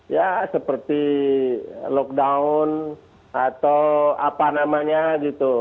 ya seperti lockdown atau apa namanya gitu